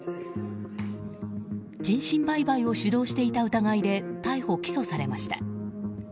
人身売買を主導していた疑いで逮捕・起訴されました。